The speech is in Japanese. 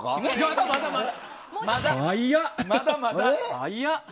まだまだ。